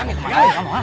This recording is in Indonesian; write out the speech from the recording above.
eh kemana mana kamu ah